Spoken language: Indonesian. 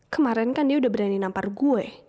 kemarin kan dia udah berani nampar gue